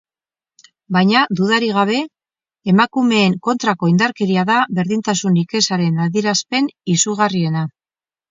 Baina, dudarik gabe, emakumeen kontrako indarkeria da berdintasunik ezaren adierazpen izugarriena.